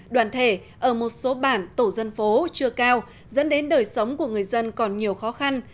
đoàn thể ở một số bản tổ dân phố chưa cao dẫn đến đời sống của người dân còn nhiều khó khăn